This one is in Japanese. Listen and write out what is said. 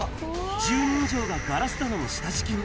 １０人以上がガラス棚の下敷きに。